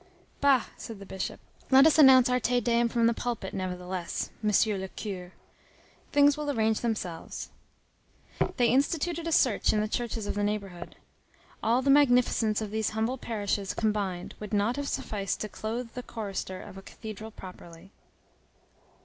"Bah!" said the Bishop. "Let us announce our Te Deum from the pulpit, nevertheless, Monsieur le Curé. Things will arrange themselves." They instituted a search in the churches of the neighborhood. All the magnificence of these humble parishes combined would not have sufficed to clothe the chorister of a cathedral properly.